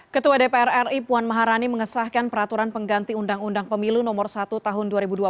ketua dpr ri puan maharani mengesahkan peraturan pengganti undang undang pemilu nomor satu tahun dua ribu dua puluh